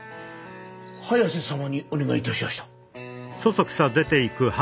早瀬様にお願い致しました。